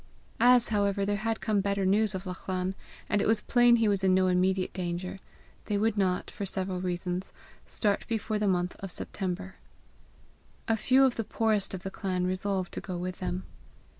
As, however, there had come better news of Lachlan, and it was plain he was in no immediate danger, they would not, for several reasons, start before the month of September. A few of the poorest of the clan resolved to go with them.